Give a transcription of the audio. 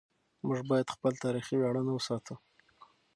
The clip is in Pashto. موږ باید خپل تاریخي ویاړونه وساتو.